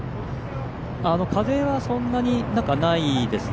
風はそんなにないですね。